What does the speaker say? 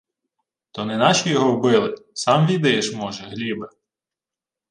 — То не наші його вбили, сам відаєш, може Глібе.